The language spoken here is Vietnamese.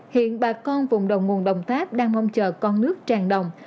hiện bà con vùng đầu nguồn đồng tháp đang mong chờ con nước tràn đồng